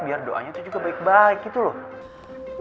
biar doanya itu juga baik baik gitu loh